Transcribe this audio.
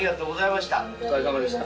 お疲れさまでした。